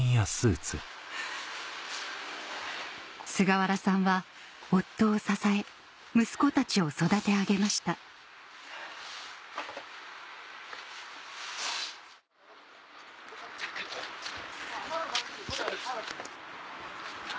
菅原さんは夫を支え息子たちを育て上げましたあ